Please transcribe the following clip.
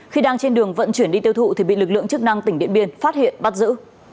khi đang trên đường vận chuyển đi tiêu thụ thì bị lực lượng chức năng tỉnh điện biên phát hiện bắt giữ